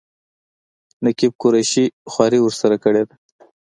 نقیب قریشي خواري ورسره کړې ده.